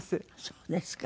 そうですか。